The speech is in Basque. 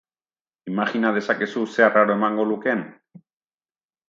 Imajina dezakezu zer arraro emango lukeen?